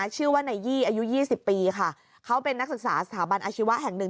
ชื่อว่านายยี่อายุ๒๐ปีค่ะเขาเป็นนักศึกษาสถาบันอาชีวะแห่งหนึ่ง